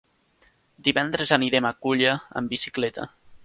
Divendres anirem a Culla amb bicicleta.